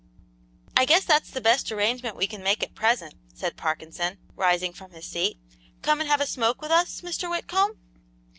"I guess that's the best arrangement we can make at present," said Parkinson, rising from his seat. "Come and have a smoke with us, Mr. Whitcomb?"